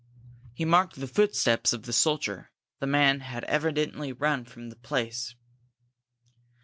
He marked the footsteps of the soldier; the man had evidently run from the place.